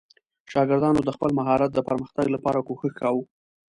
شاګردانو د خپل مهارت د پرمختګ لپاره کوښښ کاوه.